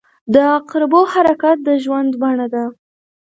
• د عقربو حرکت د ژوند بڼه ده.